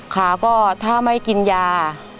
ขาก็ถ้าไม่กินยา